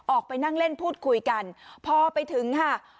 ออกไปนั่งเล่นพูดคุยกันพอไปถึงค่ะ